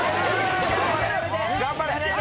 頑張れ！